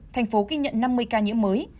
thành phố ghi nhận năm mươi ca nhiễm mới